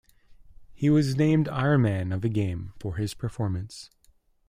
He was named Ironman of the Game for his performance.